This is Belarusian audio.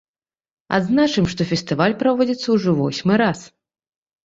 Адзначым, што фестываль праводзіцца ўжо ў восьмы раз.